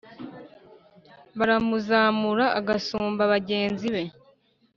Baramuzamura agasumba bagenzi be,